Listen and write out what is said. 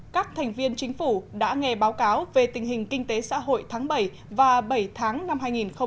các thành viên chính phủ đã nghe báo cáo về tình hình kinh tế xã hội tháng bảy và bảy tháng năm hai nghìn một mươi chín